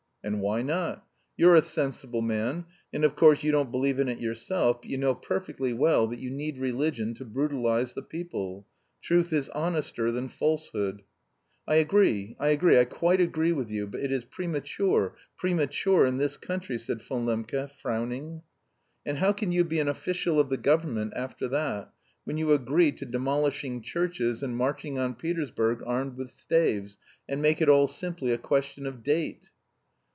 "And why not? You're a sensible man, and of course you don't believe in it yourself, but you know perfectly well that you need religion to brutalise the people. Truth is honester than falsehood...." "I agree, I agree, I quite agree with you, but it is premature, premature in this country..." said Von Lembke, frowning. "And how can you be an official of the government after that, when you agree to demolishing churches, and marching on Petersburg armed with staves, and make it all simply a question of date?"